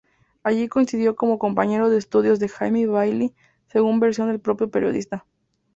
Allí coincidió como compañero de estudios de Jaime Bayly, según versión del propio periodista.